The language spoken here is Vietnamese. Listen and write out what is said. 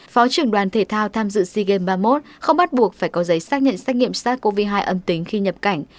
phó trưởng đoàn thể thao tham dự sea games ba mươi một không bắt buộc phải có giấy xác nhận xét nghiệm sars cov hai âm tính khi nhập cảnh